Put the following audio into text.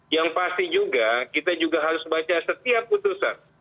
yang pasti juga kita juga harus baca setiap putusan